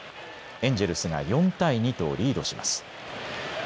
エンジェルスが４対２とリードします。